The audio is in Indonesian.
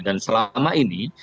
dan selama ini